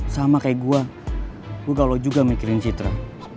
sama kayak gue gue galau juga mikirin citra